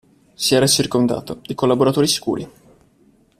Si era circondato di collaboratori sicuri.